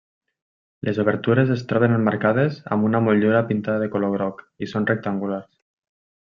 Les obertures es troben emmarcades amb una motllura pintada de color groc i són rectangulars.